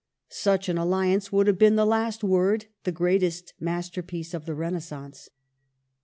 Such an alliance would have been the last word, the greatest masterpiece of the Renaissance.